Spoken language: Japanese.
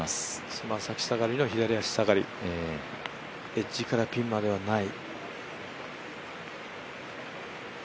つま先下がりの、左足下がりエッジからピンまではない。